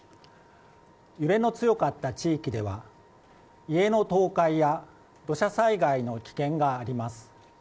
揺れの強かった地域では家の倒壊や土砂災害の危険があります。